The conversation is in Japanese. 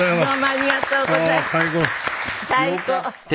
ありがとうございます。